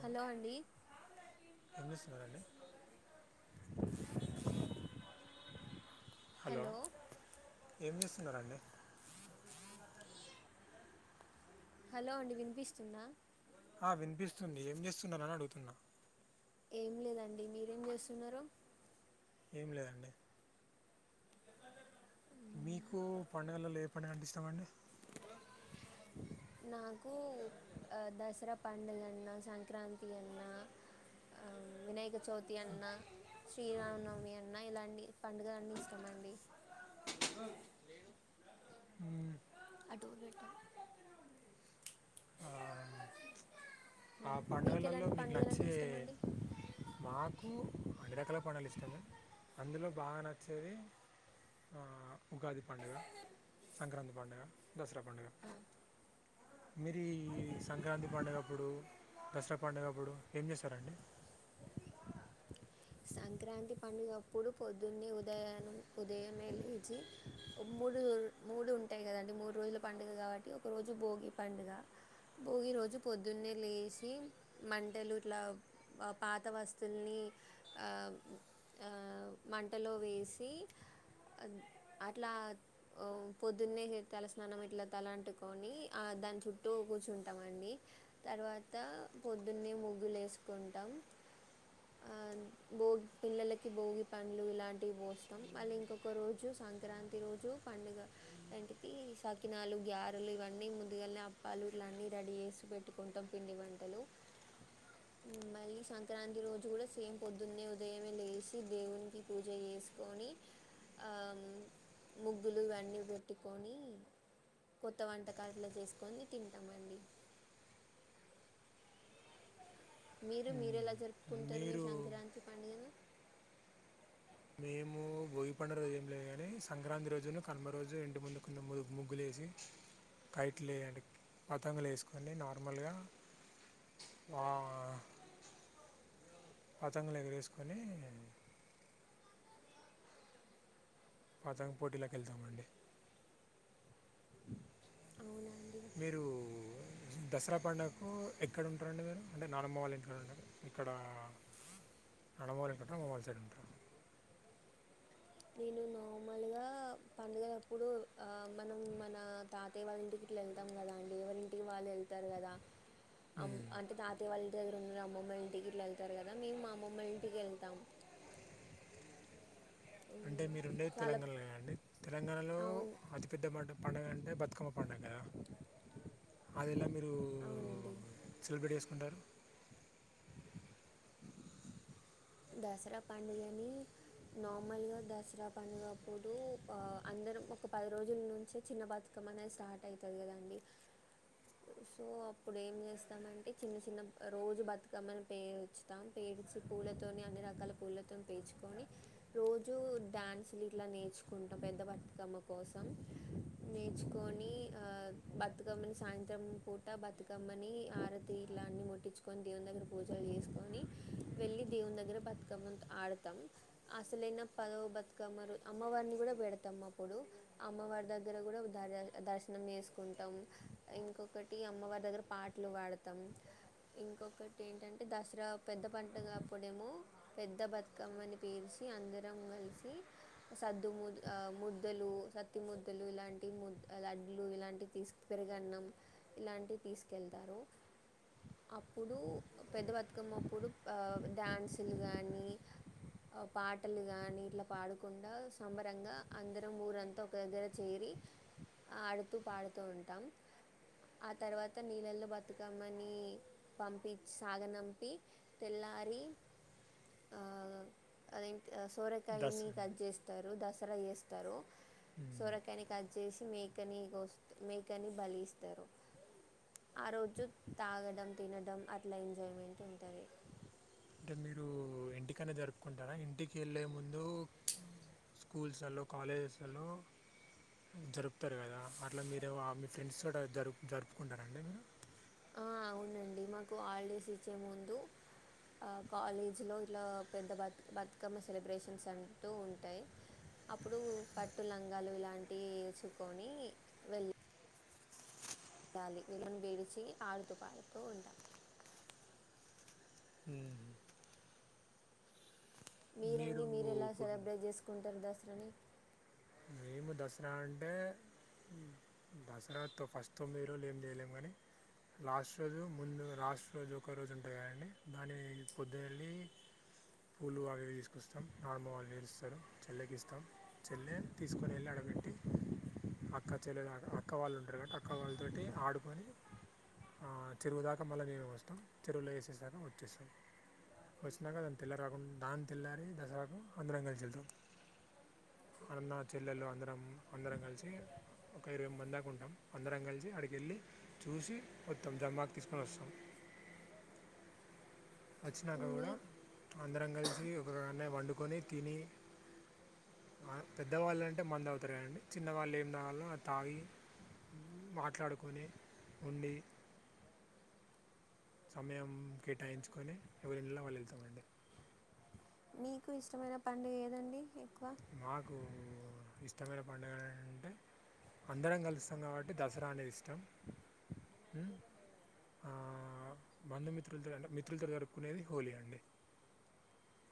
Hello అండి వినిపిస్తున్నాదండి hello ఏం చేస్తున్నారండి హలో అండి వినిపిస్తుందా ఆ వినిపిస్తుంది ఏం చేస్తున్నరని అడుగుతున్నా ఏం లేదండి మీరేం చేస్తున్నారు ఏం లేదండి మీకు పండుగలలో ఏ పండుగ అంటే ఇష్టమండి నాకు దసరా పండుగ అన్నా సంక్రాంతి అన్నా ఆ వినాయకచవితి అన్న శ్రీరామనవమి అన్న ఇలాంటి పండుగలన్ని ఇష్టమండి హు ఆ, [inaudible] ఆ ఉమ్, పండుగలలో ఎలాంటి మీకు పండుగలంటే నచ్చే ఇష్టమండి మాకు అన్ని రకాల పండుగలు ఇష్టం కానీ అందులో బాగ నచ్చేది ఆ ఉగాది పండగ సంక్రాతి పండగ దసరా పండగ మీరి సంక్రాంతి పండుగప్పుడు దసరా పండుగప్పుడు ఏం చేస్తరండి సంక్రాంతి పండుగప్పుడు పొద్దున్నే ఉదయన్నే ఉదయమే లేచి ఓ మూడు మూడు ఉంటాయి కదండి మూడు రోజుల పండుగ కాబట్టి ఒక రోజు భోగి పండగ భోగి రోజు పొద్దున్నే లేసి మంటలు ఇట్ల పాత వస్తువుల్ని ఆ ఆ మంటలో వేసి అట్లా పొద్దున్నే తల స్నానం ఇట్ల తలా అంటుకొని ఆ దాని చుట్టూ కూర్చుంటాం అండి తర్వాత పొద్దున్నే ముగ్గులు వేసుకుంటాం ఆ భోగ్ పిల్లలకి భోగి పండ్లు ఇలాంటివి పోస్తాం మళ్ళీ ఇంకొక రోజు సంక్రాంతి రోజు పండుగ ఎంటితి సాకినాలు గ్యారెలు ఇవన్నీ ముందుగాల్నే అప్పాలు ఇట్ల అన్ని రెడీ చేసి పెట్టుకుంటాం పిండి వంటలు మళ్ళీ సంక్రాంతి రోజు కూడ సేమ్ పొద్దున్నే ఉదయమే లేసి దేవునికి పూజ చేసుకొని ఆ ముగ్గులు ఇవన్నీ పెట్టుకొని కొత్త వంటకాలు ఇట్ల చేసుకొని తింటామండి మీరు మీరు మ్మ్. ఎలా జరుపుకుంటారు మీ మీరు సంక్రాంతి పండుగను మేము బోగి పండు రోజు ఏం లేదుగాని సంక్రాంతి రోజు కనుమ రోజు ఇంటి ముందుకు ముగ్గులే కైట్ లు వేయాలి పతంగులు వేసుకని నార్మల్గా ఆ పతంగులు ఎగరేసుకొని పాతంగ్ పోటీలోకి వెళ్తమండి అవునా అండి మీరు దసరా పండుగకు ఎక్కడ ఉంటారండి మీరు అంటే నానమ్మ వాళ్ళు ఇంట్ ఉంటారు అక్కడ [unintelligible] నేను నార్మల్గ పండుగ లప్పుడు మనం మన తాతయ వాళ్ళ ఇంటికి ఇట్లా వెళ్తాం కదా అండి ఎవరింటికి వాళ్ళు వెళ్తా కదా మ్మ్. అంటే తాతవాళ్ళ దగ్గర ఉన్న అమ్మమ్మ ఇంటికి ఇట్లా వెళ్తారు కదా మేము మా అమ్మమ్మ ఇంటికి వెళ్తాం అంటే ఉమ్, మీరు ఉండేది చాలా తెలంగాణలో కదాఅండి తెలంగాణలో అవును అతిపెద్ద [unintelligible] పండుగ అంటే బతుకమ్మ పండుగ అది [unintelligible] మీరు అవునండి సెలబ్రేట్ చేసుకుంటారు దసరా పండుగని నార్మల్గా దసరా పండుగప్పుడు ఆ అందరు ఒక పది రోజుల నుంచి చిన్న బతుకమ్మ అనేది స్టార్ట్ అయితాయి కదండి సో అప్పుడు ఏం చేస్తామంటే చిన్న చిన్న రోజు బతుకమ్మని పేరుస్తాం పేరు మిక్సి పూనమ్ తోని అన్ని రకాల పూలతో పెర్చుకొని రోజు డాన్సు లు ఇట్లా నేర్చుకుంటాం పెద్ద వా తమ కోసం నేర్చుకొని ఆ బతుకమ్మని సాయంత్రం పూట బతుకమ్మని ఆరతి ఇట్లా అన్ని ముట్టించుకొని దేవుని దగ్గర పూజలు చేసుకొని వెళ్ళి దేవుని దగ్గర బతుకమ్మ ని ఆడతాం అసలైన పదవ బతుకమ్మలు అమ్మవారిని కూడా పెడతాం అప్పుడు అమ్మవారి దగ్గర కూడా ద దర్శనం చేసుకుంటాం ఇంకొకటి అమ్మవారి దగ్గర పాటలు పాడతాం ఇంకొకటి ఏంటంటే దసరా పెద్ద పండగా అప్పుడేమో పెద్ద బతుకమ్మని పేర్చి అందరం కలిసి సద్దుము ఆ ముద్దలు సత్తి ముద్దలు ఇలాంటివి ము లడ్లు ఇలాంటి తీసుకు పెరుగు అన్నం ఇలాంటివి తీసుకెళ్తారు అప్పుడు పెద్ద బతుకమ్మ అప్పుడు ఆ డ్యాన్సులు కానీ పాటలు గాని ఇట్లా పాడకుండా సంబరంగా అందరం ఊరంతా ఒక దగ్గర చేరి ఆడుతూ పాడుతూ ఉంటాం ఆ తర్వాత నీళ్ళల్లో బతుకమ్మని పంపి సాగనంపి తెల్లర్ రి ఆ అది దస్ సోరకాయని కట్ చేస్తారు ద చేస్తారు అంటే సోరకాయని కట్ చేసి మేకని కొస్త మేకని బలి ఇస్తారు ఆ రోజు తాగడం తినడం అట్లా ఎంజాయ్మెంట్ ఉంటాది ఇంటికానే జరుపుకుంటారా ఇంటికి ఎళ్ళే ముందు స్కూల్స్ లలో కాలేజేస్ లలో జరుపుతారు కదా అట్లా మీరు మీ ఫ్రెండ్స్ తొటి జరుపు జరుపుకుంటారండి మీరు ఆ అవునండి మాకు హాలిడేస్ ఇచ్చే ముందు ఆ కాలేజ్ లో ఇట్లా పెద్ద బ బతుకమ్మ సెలబ్రేషన్స్ అంటూ ఉంటాయి అప్పుడు పట్టు లంగాలు ఇలాంటివి వేసుకొని వెళ్ళ్ లి వీళ్ళాను విడిచి ఆడుతూ పాడుతూ ఉంటాం మ్మ్. మీరండి మీరు ఎలా సెలబ్రేట్ చేసుకుంటారు దసరాని మీము దసరా అంటే దసరా తో ఫస్ట్ తోమ్మిది రోజులు ఏం చేయలేము కానీ లాస్ట్ రోజు ముందు లాస్ట్ రోజు ఒక రోజు ఉంటాది కదండి దాని పొద్దున ఎళ్ళి పూలు వాటిని తీసుకొస్తాం నానమ్మ వాళ్ళు లేస్తారు చెల్లెకి ఇస్తాం చెల్లె తీసుకొని వెళ్ళి అడగట్టి అక్క చెల్లెలగా అక్క వాళ్ళు ఉంటారు కాబట్టి అక్క వాళ్ళతోటి ఆడుకొని ఆ చెరువుదాకా మళ్ళా నీళ్ళు పోస్తాం చెరువులో వేసేసాకా వచ్చేస్తాం వచ్చినాక దాని తెల్లారికుండా దాని తెల్లారే దసరాకు అందరం కలిసి వెళ్తాం అన్న చెల్లెలు అందరు అందరం కలిసి ఒక ఇరవై మంది దాకా ఉంటాం అందరం కలిసి అడికి వెళ్ళి చూసి వత్తాం జమ్ ఆకు తీసుకొని వస్తాం వచ్చినాక మీ కూడా అందరం కలిసి ఒక దాన్నె వండుకొని తిని ఆ పెద్దవాళ్ళంటే మందు తాగుతారు అండి చిన్నవాళ్ళు ఏం తాగాలో అది తాగి మాట్లాడుకొని ఉండి సమయం కేటాయించుకొని ఎవరిండ్లలోలో వాళ్ళు వెళ్తామండి మీకు ఇష్టమైన పండుగ ఏది అండి నాకు ఇష్టమైన పండుగ అంటే అందరం కలుస్తాం కాబట్టి దసరా అనేది ఇష్టం ఆ బంధుమిత్రులతో మిత్రులతో జరుపుకునేది హోలీ అండి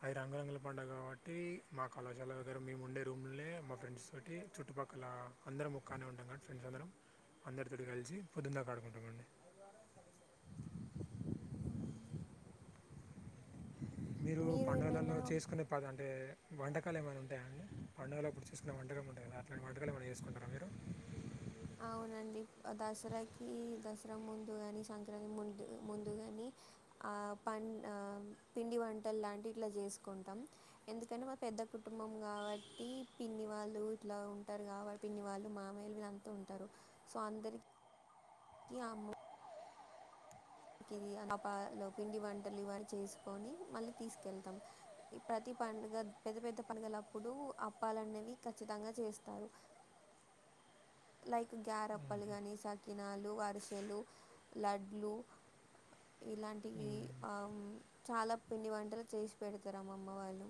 అది రంగరంగుల పండుగ కాబట్టి మా కళాశాల దగ్గర మేము ఉండే రూమ్ లోనే మా ఫ్రెండ్స్ తోటి చుట్టుపక్కల అందరం ముక్కానే ఉంటాం కాబట్టి ఫ్రెండ్స్ అందరం అందరితో కలిసి పొద్దుందాకా ఆడుకుంటామండి ఉ మీరు పండుగలలో చేసుకునే పద అంటే వంటకాలు ఏమన్నా ఉంటాయా అండి పండుగలు అప్పుడు చూసుకునే వంటకాలు ఉంటాయి కదా అట్లాంటి వంటకాలు ఏమన్నా చేసుకుంటారా మీరు అవునండి దసరాకి దసరా ముందుగాని సంక్రాంతి ముందు ముందుగాని ఆ పన్ పిండి వంటలు లాంటి ఇట్లా చేసుకుంటాం ఎందుకంటే మా పెద్ద పెద్ద కుటుంబం కాబట్టి పిన్ని వాళ్ళు ఇట్లా ఉంటారు కాబట్టి పిన్ని వాళ్ళు మామయ్యలు వీళ్ళంతా ఉం టారు సో అందరికి కి ఆము కిది అపలో పిండి వంటలు ఇవన్నీ చేసుకొని మళ్ళీ తీసుకెళ్తాం ప్రతి పండుగ పెద్ద పెద్ద పండుగల అప్పుడు అప్పాలనేవి ఖచ్చితంగా చేస్తారు లైక్ గ్యారప్పలు కగానీ సకినాలు, అరిసెలు, లడ్లు ఇలాంటివి మ్మ్. ఆ చాలా పిండి వంటలు చేసి పెడతారు అమ్మమ్మ వాళ్ళు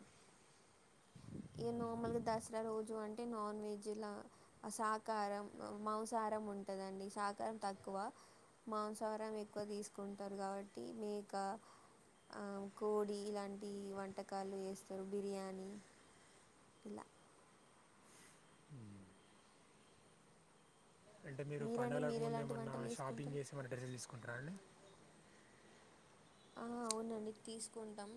ఇ నార్మల్గా దసరా రోజు అంటే నాన్ వెజ్ ఇలా సాకారం మౌంస కారం ఉంటదండి సాకారం తక్కువ మాంసాహారం ఎక్కువ తీసుకుంటారు కాబట్టి మేక ఆ కోడి ఇలాంటి వంటకాలు చేస్తారు బిర్యానీ ఇలా అంటే మీరు మీరండి పండగలకు మీరు ముందు ఎలాంటి ఏమన్నా వంటలు షాపింగ్ చేసుకుంటారు చేసి ఏమన్ననా డ్రెస్సులు తీసుకుంటురా అండి ఆ అవునండి తీసుకుంటాం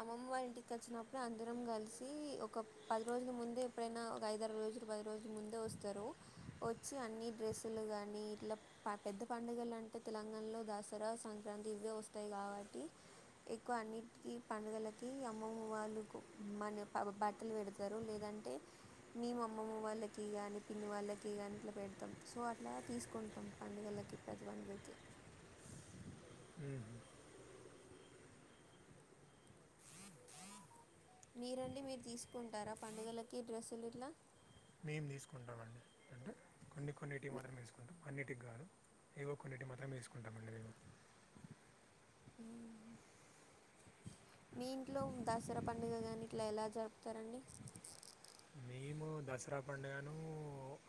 అమ్మమ్మ వాళ్ళ ఇంటికి వచ్చినప్పుడు అందరం కలిసి ఒక పది రోజుల ముందే ఎప్పుడైనా ఒక ఐదు ఆరు రోజు పది రోజుల ముందే వస్తారు వచ్చి అన్నీ డ్రెస్ లు కానీ ఇట్లా ప పెద్ద పండగల ఎట్లా అంటే తెలంగాణలో దసరా సంక్రాంతి ఇవే వస్తాయి కాబట్టి ఎక్కువ అన్నిటికీ పండుగలకి అమ్మమ్మ వాళ్ళ మన బట్టలు పెడతారు లేద అంటే మేము అమ్మమ్మ వాళ్ళకి గానీ పిన్ని వాళ్ళకి గాని ఇట్లా పెడతాం సో అట్లా తీసుకుంట పండుగలకి ప్రతి పండుగాకి మ్మ్. మీరండి మీరు తీసుకుంటారా పండుగలకి డ్రెస్సులు ఇట్లా మేము తీసుకుంటామ అండి అంటే కొన్ని కొన్నిటివి మీ- మాత్రమే తీసుకుంటాం అన్నిటికి కాదు ఏవో కొన్నిటి మాత్రమే వేసుకుంటామండి మేము ఉ మీ ఇంట్లో దసరా పండుగ కాని ఇట్లా ఎలా జరుపుతారండి మేము దసరా పండుగను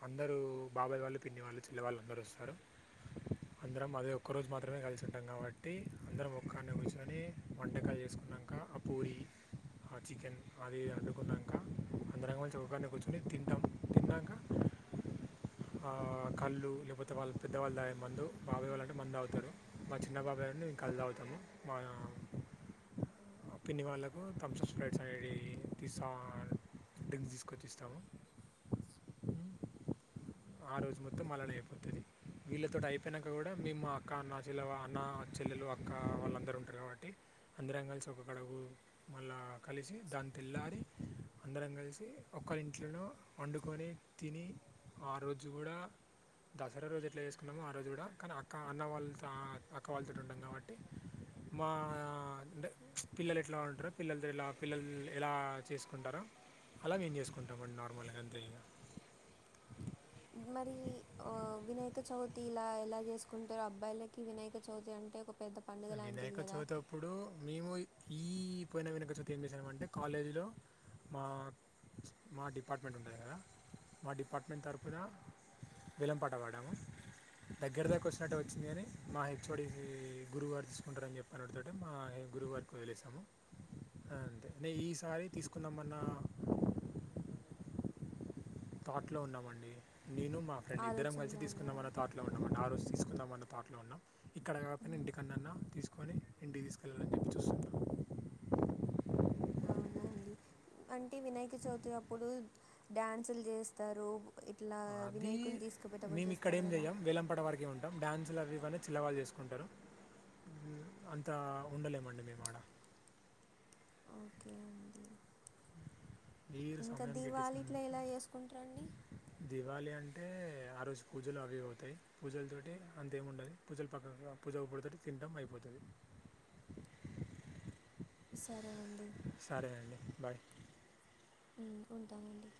అందరు బాబాయ్ వాళ్ళు పిన్నివాళ్ళు చేల్లెవాళ్ళు అందరు వస్తారు అందరం అదే ఒక్క రోజు మాత్రమే కలిసి ఉంటాం కాబట్టి అందరం ఒక్కన్నే కూర్చుని వంటకాలు చేసుకున్నాంక ఆ పూరి ఆ చికెన్ అది అండుకున్నాక అందరం కలిసి ఒకన్నే కూర్చొని తింటాం తిన్నాక ఆ కళ్ళు లేపోతే వాళ్ళు పెద్దవాళ్ళు తాగే మందు బాబాయ్ వాళ్లంటే మందు తాగుతారు మా చిన్నబాబయ్ ఉన్ను కళ్ తాగుతం మా పిన్ని వాళ్ళకు థమ్ప్స్ స్ప్రైట్స్ అనేటివి తీస్త డ్రింక్స్ తీసుకొచ్చిస్ త్తము ఆ రోజు మొత్తం మళ్ళనే అయిపోతది వీళ్ళతోటైపోయినంక కూడా మేమ్ మా అక్క అన్న చిళ్ళే అన్న చెల్లెలు అక్క వాళ్ళందరూ ఉంటారు కాబట్టి అందరం కలిసి ఒక్కకాడ కు మళ్ళా కలిసి దాన్ తేళ్ల్ళారి అందరం కలిసి ఒకరి ఇంట్లోనే వండుకొని తిని ఆ రోజు కూడా దసరా రోజు ఎట్లా చేసుకున్నామో ఆ రోజు కూడా కానీ అక్క అన్న వాళ్ళతో అక్క వాళ్ళతోటి ఉంటాం కాబట్టి మా అంటే పిల్లలు ఎట్లా ఉంటారు పిల్లలతోటి లా పిల్లలు ఎలా చేసుకుంటారో అలా మేం చేసుకుంటాంమండి నార్మల్గా అంతే ఇగ మరి ఆ వినాయక చవితి ఇలా ఎలా చేసుకుంటారు అబ్బాయిలకి వినాయక చవితి అం టే ఒక పెద్ద పండుగ లాంటిది వినాయక కదా చవితప్పుడు మేము ఈ పోయిన వినయక చవితి ఏం చేశామంటే కాలేజీ లో మా మా డిపార్ట్మెంట్ ఉంటాది కదా మా డిపార్ట్మెంట్ తరుపున వేలంపాటపాడాము దగ్గరి దాక వచ్చినట్టే వచ్చింది కాని మా హెచ్ ఓడి గురుగారు తీస్ కుంటారని చెప్పనుడు తోేటే మా గురువుగారికి వదిలేసాము అది అంతే ఈసారి తీసుకుందాంమ న్న తాట్ లో ఉన్నామండి నేను మా ఫ్రెండ్ ఇద్దరం కలిసి ఆలోచనలో ఉన్నారా తీసుకుందామనే తాట్లో ఉన్నామండి ఆ రోజు తీసుకుందాం అన్న తాట్లో ఉన్నాం ఇక్కడ కాపోనా ఉహు, ఇంటికన్నన్నా తీస్ కొని ఇంటికి తీసుకెళ్ళాలని చెప్పి చూస్తున్నాం అవునా అండి అంటే వినాయక చవితి అప్పుడు డ్యాన్సులు చేస్తారు ఇట్లా అది వినాయకుని తీసుకుపోయేటప్పుడు మేము ఇక్కడ చేస్తారు ఏం కదా చెయ్యం వేలంపట వరకే ఉం డ్యాన్సులు అవి ఇవ్వన్నీ చెల్లెవాళ్ళు చేసుకుంటారు అంతా ఉండలేమండి మేము ఆడ ఓకే అండి మీరు ఇంకా సమయం దీవళి ఇట్ల గిట్టించినందుకు ఎలా చేసుకుంటారండి దివాళీ అంటే ఆ రోజు పూజలు అవిఇవి అవుతాయి పూజలతోటి అంతేంముండదు పూజలు పక్క పూజ అవ్వుడుతోటే తింటాం అయిపోతది సరే అండి సరే అండి బాయ్ మ్ ఉంటానండి